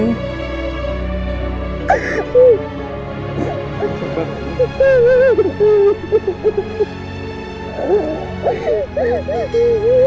yang sabar ya